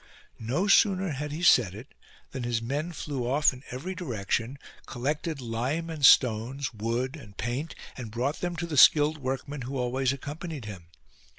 No sooner had he said it than his men flew off in every direction, collected lime and stones, wood and paint, and brought them to the skilled work men who always accompanied him.